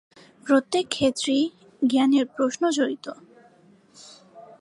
প্রত্যেক ক্ষেত্রেই জ্ঞানের প্রশ্ন জড়িত।